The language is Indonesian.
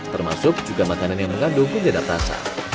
termasuk juga makanan yang mengandung penyedap rasa